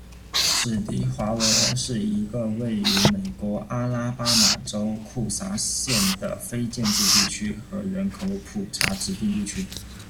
史蒂华维尔是一个位于美国阿拉巴马州库萨县的非建制地区和人口普查指定地区。